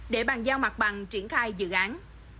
để bàn giao mặt bằng triển khai dự án